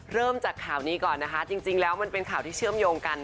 เริ่มจากข่าวนี้ก่อนนะคะจริงแล้วมันเป็นข่าวที่เชื่อมโยงกัน